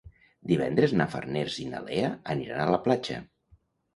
Divendres na Farners i na Lea aniran a la platja.